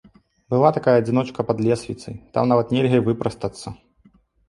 Была такая адзіночка пад лесвіцай, там нават нельга і выпрастацца.